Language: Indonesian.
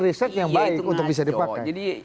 riset yang baik untuk bisa dipakai